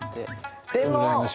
でも。